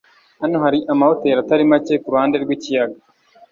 Hano hari amahoteri atari make kuruhande rwikiyaga.